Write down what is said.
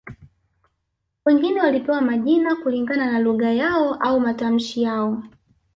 Wengine walipewa majina kulingana na lugha yao au matamshi yao